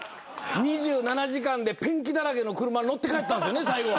『２７時間』でペンキだらけの車乗って帰ったんすよね最後。